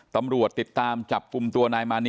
ตลอดทั้งคืนตลอดทั้งคืน